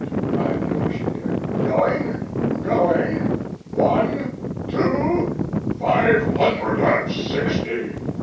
cried the auctioneer. "Going, going one two " "Five hundred and sixty!"